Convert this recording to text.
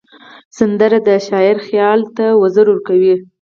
سندره د شاعر خیال ته وزر ورکوي